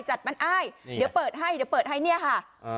จัดมันอ้ายเดี๋ยวเปิดให้เดี๋ยวเปิดให้เนี่ยค่ะ